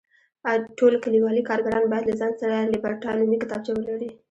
ټول کلیوالي کارګران باید له ځان سره لیبرټا نومې کتابچه ولري.